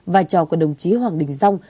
vai trò của đồng chí hoàng đình dông